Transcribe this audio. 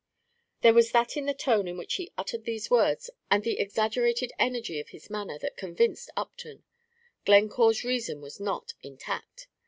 There was that in the tone in which he uttered these words, and the exaggerated energy of his manner, that convinced Upton, Glencore's reason was not intact.